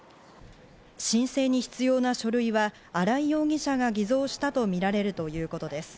申請に必要な書類は新井容疑者が偽造したとみられるということです。